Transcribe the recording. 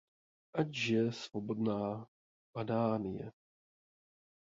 Ať žije svobodná Padánie!